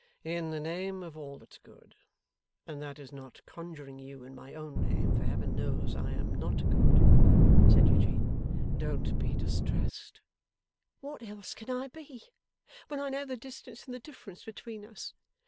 'In the name of all that's good and that is not conjuring you in my own name, for Heaven knows I am not good' said Eugene, 'don't be distressed!' 'What else can I be, when I know the distance and the difference between us?